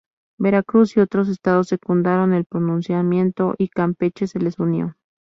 Veracruz y otros estados secundaron el pronunciamiento y Campeche se les unió.